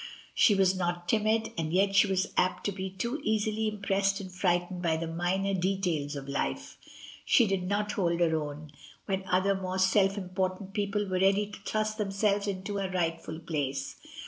She was not timid, and yet she was apt to be too easily impressed and frightened by the minor details of life. She did not hold her own, when other more self important people were ready to thrust themselves into her rightful place.